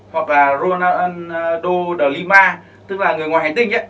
hoặc là ronaldo delima tức là người ngoài hành tinh đấy